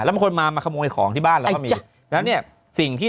ยังไม่ยอมจบอ่ะเนี่ย